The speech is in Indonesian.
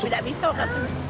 tapi tidak bisa katanya